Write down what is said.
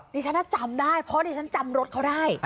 นี่ฉันน่ะจำได้เพราะนี่ฉันจำรถเขาได้